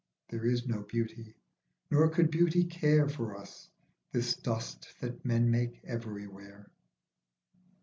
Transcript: There is no beauty, nor could beauty care For us, this dust, that men make every where.